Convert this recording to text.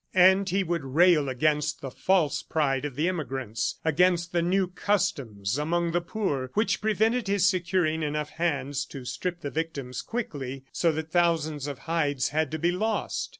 And he would rail against the false pride of the emigrants, against the new customs among the poor which prevented his securing enough hands to strip the victims quickly, so that thousands of hides had to be lost.